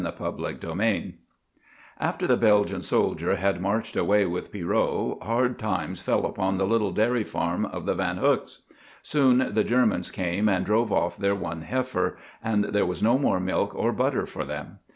VI After the Belgian soldier had marched away with Pierrot, hard times fell upon the little dairy farm of the Van Huyks. Soon the Germans came and drove off their one heifer, and there was no more milk or butter for them.